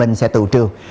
tp hcm sẽ tự trường